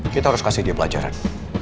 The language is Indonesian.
kita harus kasih dia pelajaran